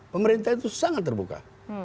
pemerintah itu sangat terbuka